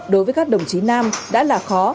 đối với các đồng chí nam đã là khó